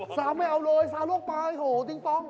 สาวไม่เอาเลยซาวลูกไปโหติ้งปอง